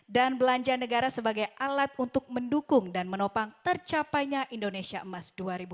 dan belanja negara sebagai alat untuk mendukung dan menopang tercapainya indonesia emas dua ribu empat puluh lima